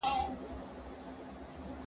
زه به سبا د کتابتون لپاره کار کوم!.